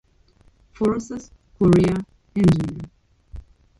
Forces, Korea, Engineer.